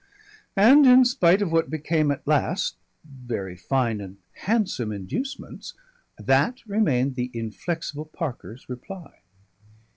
And, in spite of what became at last very fine and handsome inducements, that remained the inflexible Parker's reply.